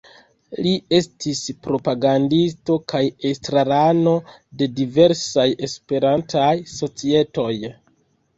Li estis propagandisto kaj estrarano de diversaj Esperantaj societoj.